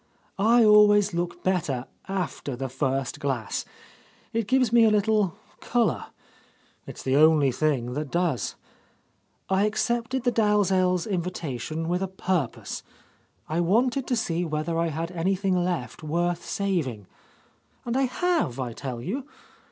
I always look better after the first glass, — it gives me a little colour, it's the only thing that does. I accepted the Dalzell's invitation with a purpose ; I wanted — 12 ?— A Lost Lady to see whether I had anything left worth saving. And I have, I tell you